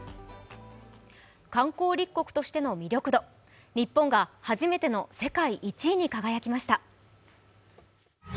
観光立国としての魅力度、日本が初めての世界１位に輝きました。